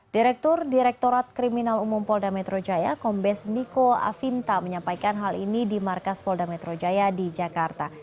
direktur direktorat kriminal umum polda metro jaya kombes niko afinta menyampaikan hal ini di markas polda metro jaya di jakarta